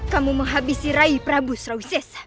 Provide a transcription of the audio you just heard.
kamu menghabisi raih prabu surowit sesa